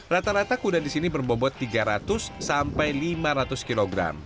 rata rata kuda di sini berbobot tiga ratus sampai lima ratus kg